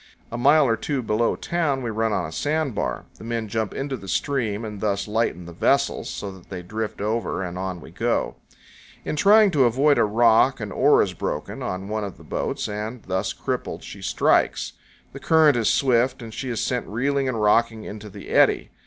A mile or two below town we run on a sandbar. The men jump into the stream and thus lighten the vessels, so that they drift over, and on we go. powell canyons 82.jpg MESAS. In trying to avoid a rock an oar is broken on one of the boats, and, thus crippled, she strikes. The current is swift and she is sent reeling and rocking into the eddy.